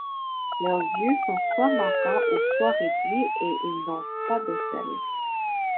Leurs yeux sont soit manquants ou soit réduits et ils n'ont pas d'ocelles.